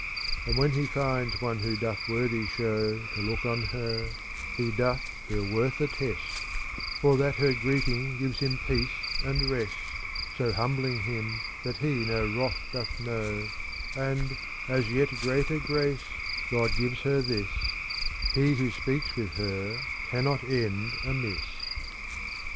And when he finds one who doth worthy show To look on her, he doth her worth attest ; For that her greeting gives him peace and rest. So humbling him that he no wrath doth know, *" And, as yet greater grace, God gives her this ; He who speaks with her cannot end amiss.